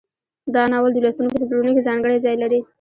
دا ناول د لوستونکو په زړونو کې ځانګړی ځای لري.